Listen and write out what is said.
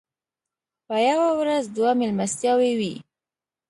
په یوه ورځ دوه مېلمستیاوې وې.